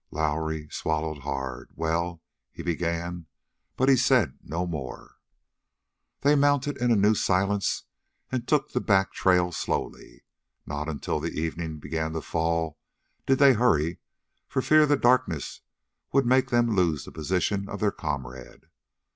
Lowrie swallowed hard. "Well " he began, but said no more. They mounted in a new silence and took the back trail slowly. Not until the evening began to fall did they hurry, for fear the darkness would make them lose the position of their comrade.